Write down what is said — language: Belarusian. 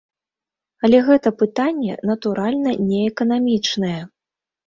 Але гэта пытанне, натуральна, не эканамічнае.